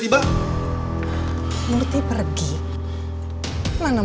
tapi waktu itu kita belum kenal